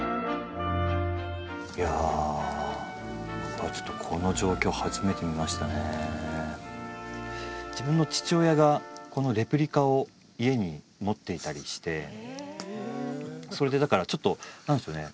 いや僕はちょっとこの状況初めて見ましたね自分の父親がこのレプリカを家に持っていたりしてそれでだからちょっと何でしょうね